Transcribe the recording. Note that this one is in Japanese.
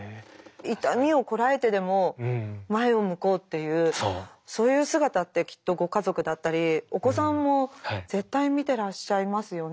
痛みをこらえてでも前を向こうっていうそういう姿ってきっとご家族だったりお子さんも絶対見てらっしゃいますよね。